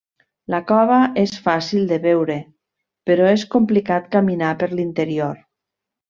La cova és fàcil de veure, però és complicat caminar per l'interior.